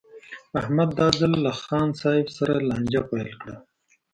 احمد دا ځل له خان صاحب سره لانجه پیل کړه.